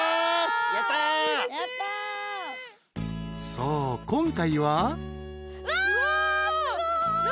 ［そう今回は］何？